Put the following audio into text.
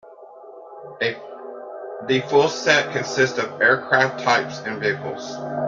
The full set consists of aircraft types and vehicles.